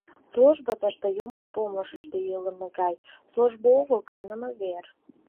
— Службо тыште Юмын помыштыжо илыме гай, службо огыл — каныме вер.